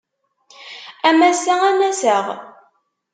Am ass-a ad n-aseɣ.